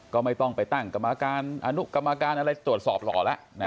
ก็ไม่ต้องไปตั้งกรรมการอนุกรรมการอะไรตรวจสอบหล่อแล้ว